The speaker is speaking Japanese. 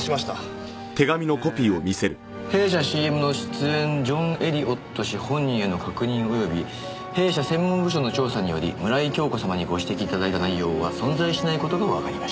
えー「弊社ＣＭの出演ジョン・エリオット氏本人への確認および弊社専門部署の調査により村井今日子様にご指摘いただいた内容は存在しないことがわかりました」。